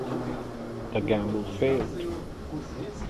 The gamble failed.